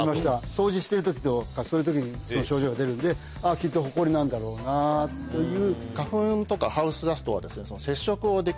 掃除してる時とかそういう時にその症状が出るのできっとホコリなんだろうなという。